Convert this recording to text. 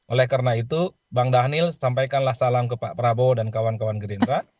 oleh karena itu bang dhanil sampaikanlah salam ke pak prabowo dan kawan kawan gerindra